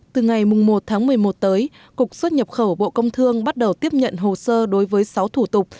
từ ngày một tháng một mươi một tới cục xuất nhập khẩu bộ công thương bắt đầu tiếp nhận hồ sơ đối với sáu thủ tục